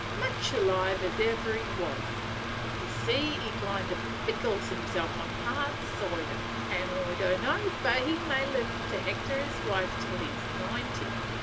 "Much alive as ever he was. Ye see he kind o' pickles himself in hard cider, an' I dunno but he may live to hector his wife till he 's ninety.